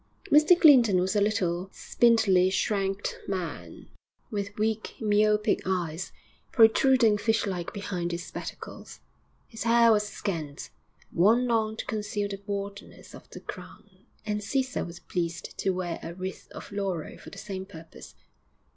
Mr Clinton was a little, spindly shanked man, with weak, myopic eyes, protruding fishlike behind his spectacles. His hair was scant, worn long to conceal the baldness of the crown and Cæsar was pleased to wear a wreath of laurel for the same purpose....